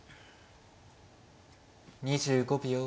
２５秒。